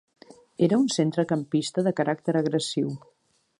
Era un centrecampista de caràcter agressiu.